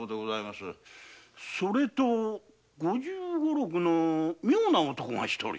それと五十五六の妙な男が一人。